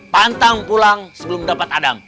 pantang pulang sebelum dapat adam